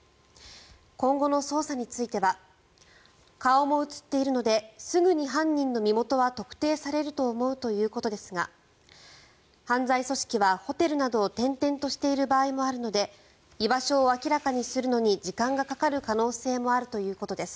今後の捜査については顔も映っているのですぐに犯人の身元は特定されると思うということですが犯罪組織はホテルなどを転々としている場合もあるので居場所を明らかにするのに時間がかかる可能性もあるということです。